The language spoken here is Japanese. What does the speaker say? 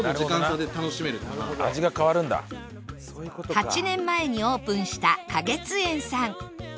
８年前にオープンした香月宴さん